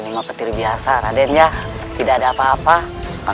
semoga petirnya biasa raden tidak ada apa apa